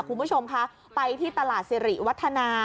คุณผู้ชมคะไปที่ตลาดสิริวัฒนา